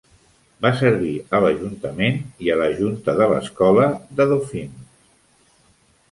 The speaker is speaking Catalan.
Va servir a l'ajuntament i a la junta de l'escola de Dauphin.